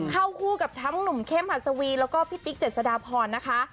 เข้าคู่กับทั้งหนุ่มเข้มหัสวีแล้วก็พี่ติ๊กเจษฎาพรนะคะ